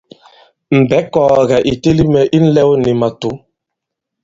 Mbɛ̌ ì kɔ̀gɛ̀ ì teli mɛ̀ i ǹlɛw nì màtǔ.